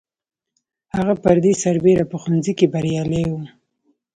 هغه پر دې سربېره په ښوونځي کې بریالی و